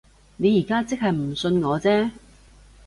你而家即係唔信我啫